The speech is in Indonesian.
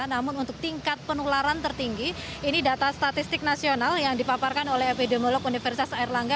namun untuk tingkat penularan tertinggi ini data statistik nasional yang dipaparkan oleh epidemiolog universitas erlangga